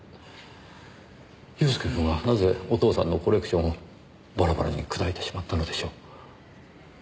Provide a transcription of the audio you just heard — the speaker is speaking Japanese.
祐介くんはなぜお父さんのコレクションをバラバラに砕いてしまったのでしょう？